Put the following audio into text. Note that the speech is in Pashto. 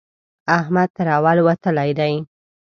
احمد تر اول وتلی دی.